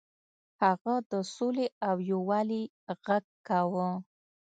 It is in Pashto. هغه د سولې او یووالي غږ کاوه.